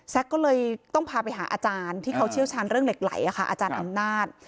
ก็เลยต้องพาไปหาอาจารย์ที่เขาเชี่ยวชาญเรื่องเหล็กไหลอาจารย์อำนาจ